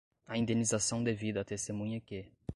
a indenização devida à testemunha que